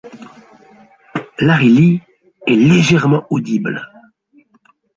Larry Lee est légèrement audible.